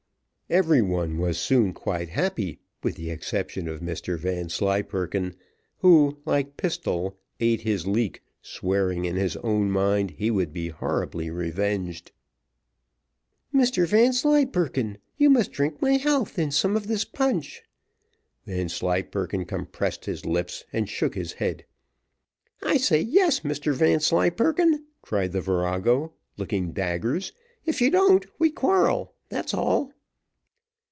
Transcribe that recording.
Every one was soon quite happy, with the exception of Mr Vanslyperken, who, like Pistol, ate his leek, swearing in his own mind he would be horribly revenged. "Mr Vanslyperken, you must drink my health in some of this punch." Vanslyperken compressed his lips, and shook his head. "I say yes, Mr Vanslyperken," cried the virago, looking daggers; "if you don't, we quarrel that's all."